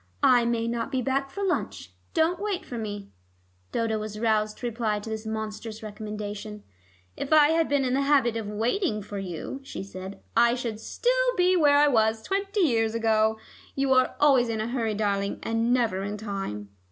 "I may not be back for lunch. Don't wait for me." Dodo was roused to reply to this monstrous recommendation. "If I had been in the habit of waiting for you," she said, "I should still be where I was twenty years ago. You are always in a hurry, darling, and never in time."